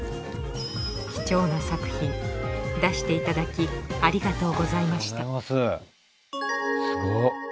貴重な作品出していただきありがとうございましたありがとうございます。